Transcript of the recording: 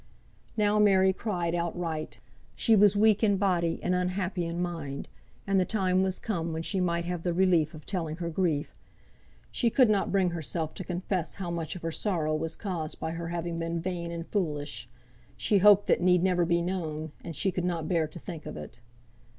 Now Mary cried outright; she was weak in body, and unhappy in mind, and the time was come when she might have the relief of telling her grief. She could not bring herself to confess how much of her sorrow was caused by her having been vain and foolish; she hoped that need never be known, and she could not bear to think of it.